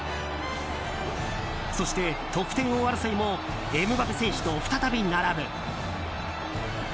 そして得点王争いもエムバペ選手と再び並ぶ。